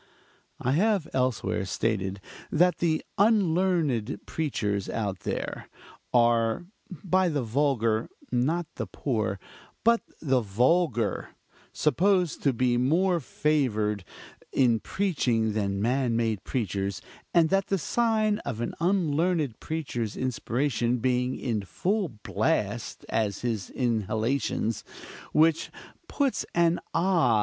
(I have elsewhere stated that the unlearned preachers out there (?) are by the vulgar (not the poor) but the vulgar, supposed to be more favored in preaching than man made preachers; and that the sign of an unlearned preacher's inspiration being in full blast is his inhalations, which puts an ah!